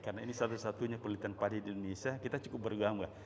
karena ini salah satunya penelitian padi di indonesia kita cukup bergambar